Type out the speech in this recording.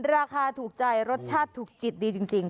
ราคาถูกใจรสชาติถูกจิตดีจริง